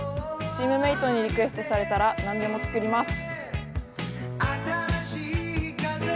チームメイトにリクエストされたら何でも作ります。